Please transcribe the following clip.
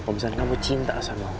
kalau misalnya kamu cinta sama